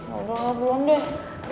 yaudah lo duluan deh